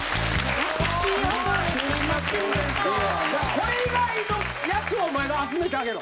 これ以外のやつをお前が集めてあげろ。